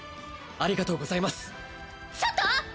ありがとうございますちょっと！